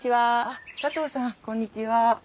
あっ佐藤さんこんにちは。